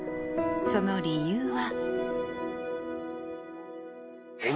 その理由は。